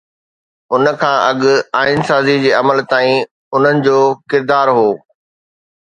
ان کان اڳ آئين سازي جي عمل تائين انهن جو ڪردار هو.